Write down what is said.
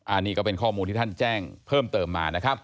อันนี้ก็เป็นข้อมูลที่ท่านแจ้งเพิ่มเติมมานะครับ